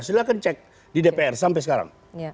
silahkan cek di dpr sampai sekarang